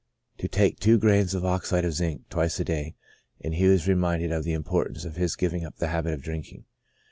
To take two grains of oxide of zinc, twice a day ; and he was reminded of the importance of his giving up the habit of drinking.